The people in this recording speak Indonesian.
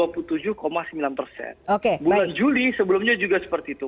bulan juli sebelumnya juga seperti itu